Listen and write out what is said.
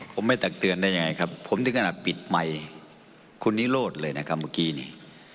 ผมไม่ตักเตือนได้ยังไงครับผมถึงขนาดปิดไมค์คุณนิโรธเลยนะครับเมื่อกี้นี่